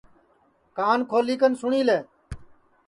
کان کھولی کن سُٹؔی لے